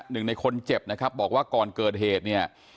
หนึ่งในคนเจ็บนะครับบอกว่าก่อนเกิดเหตุเนี่ย